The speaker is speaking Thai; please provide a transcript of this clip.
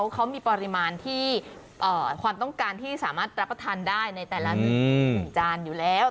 เขามีปริมาณที่ความต้องการที่สามารถรับประทานได้ในแต่ละจานอยู่แล้ว